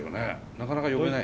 なかなか呼べない。